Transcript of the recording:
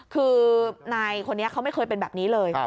คือนายคนนี้เขาไม่เคยเป็นแบบนี้เลย